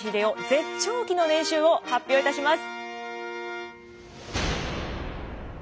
絶頂期の年収を発表いたします。